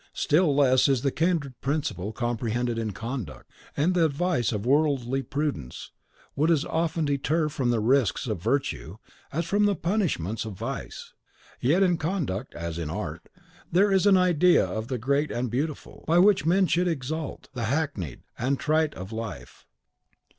Still less is the kindred principle comprehended in conduct. And the advice of worldly prudence would as often deter from the risks of virtue as from the punishments of vice; yet in conduct, as in art, there is an idea of the great and beautiful, by which men should exalt the hackneyed and the trite of life.